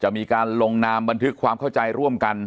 มีการลงนามบันทึกความเข้าใจร่วมกัน